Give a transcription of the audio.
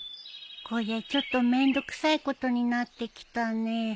こりゃちょっとめんどくさいことになってきたね